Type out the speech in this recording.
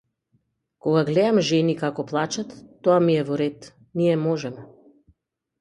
Кога глеам жени како плачат - тоа ми е во ред, ние можеме.